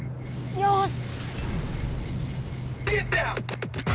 よし！